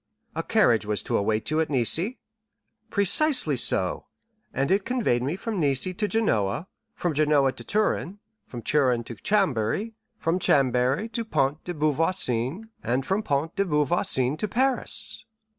"A carriage was to await you at Nice?" "Precisely so; and it conveyed me from Nice to Genoa, from Genoa to Turin, from Turin to Chambéry, from Chambéry to Pont de Beauvoisin, and from Pont de Beauvoisin to Paris."